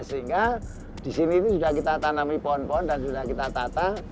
sehingga disini sudah kita tanami pohon pohon dan sudah kita tata